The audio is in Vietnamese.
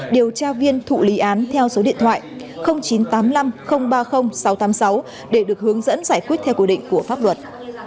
điều tra viên thụ lý án theo số điện thoại chín trăm tám mươi năm ba mươi sáu trăm tám mươi sáu để được hướng dẫn giải quyết theo quy định của pháp luật